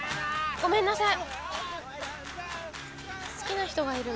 ごめんなさい。